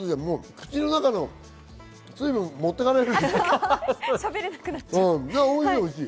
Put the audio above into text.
口の中の水分、持ってかれる。